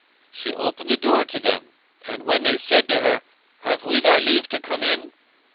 She opened the door to them, when said they to her, "Have we thy leave to come in?"